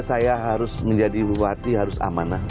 saya harus menjadi bupati harus amanah